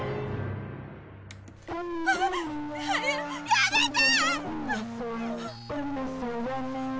やめて！